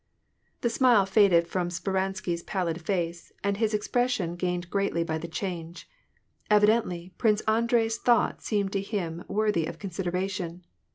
The smile faded from Speransky 's pallid face, and his ex pression gained greatly by the change. Evidently, Prince Andrei's thought seemed to him worthy of consideration.